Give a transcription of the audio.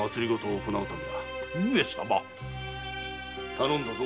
頼んだぞ。